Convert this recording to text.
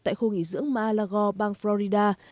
tại khu nghỉ dưỡng maalago bang florida